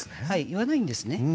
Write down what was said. はい言わないんですね。